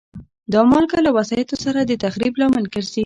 دا مالګه له وسایطو سره د تخریب لامل ګرځي.